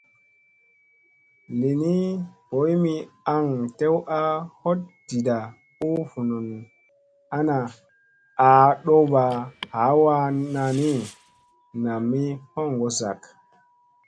Lini boy mi aŋ tew a hoɗ ɗiɗa u vunun ana aa ɗowɓa hawaa nani nam mi hoŋgo zak.